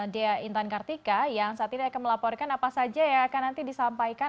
dea intan kartika yang saat ini akan melaporkan apa saja yang akan nanti disampaikan